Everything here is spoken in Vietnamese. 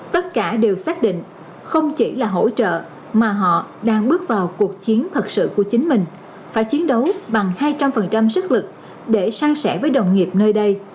tất cả đều xác định không chỉ là hỗ trợ mà họ đang bước vào cuộc chiến thật sự của chính mình phải chiến đấu bằng hai trăm linh sức lực để sang sẻ với đồng nghiệp nơi đây